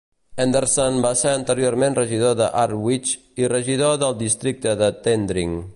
Henderson va ser anteriorment regidor de Harwich i regidor del districte de Tendring.